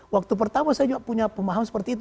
waktu pertama saya juga punya pemahaman seperti itu